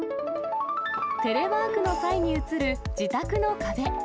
テレワークの際に映る自宅の壁。